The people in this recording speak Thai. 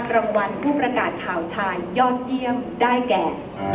รางวัลผู้ประกาศข่าวชายยอดเยี่ยมได้แก่